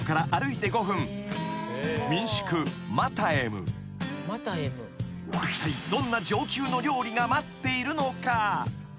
［いったいどんな上級の料理が待っているのか？］